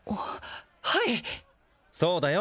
はいそうだよ